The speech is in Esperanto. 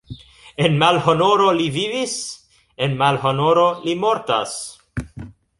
En malhonoro li vivis, en malhonoro li mortas!